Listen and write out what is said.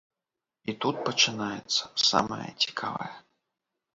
І тут пачынаецца самае цікавае.